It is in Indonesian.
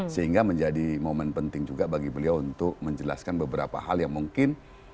sehingga menjadi momen penting juga bagi beliau untuk menjelaskan beberapa hal yang mungkin